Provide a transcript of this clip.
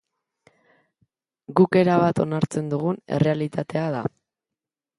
Guk erabat onartzen dugun errealitatea da.